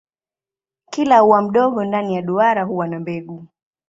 Kila ua mdogo ndani ya duara huwa na mbegu.